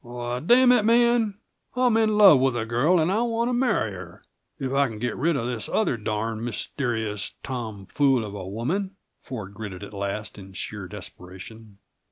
"Why, damn it, man, I'm in love with a girl and I want to marry her if I can get rid of this other darned, mysterious, Tom fool of a woman," Ford gritted at last, in sheer desperation.